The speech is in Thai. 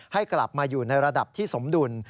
ให้กลับมาอยู่ในระดับที่สมดุล